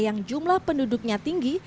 yang jumlah penduduknya tinggi